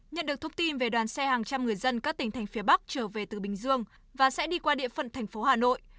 nhận được thông tin về đoàn xe hàng trăm người dân các tỉnh thành phía bắc trở về từ bình dương và sẽ đi qua địa phận thành phố hà nội